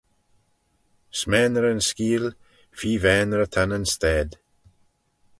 S'maynrey'n skeeal, feer vaynrey ta nyn stayd.